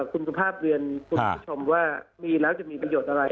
คุณสุภาพเรียนคุณผู้ชมว่ามีแล้วจะมีประโยชน์อะไร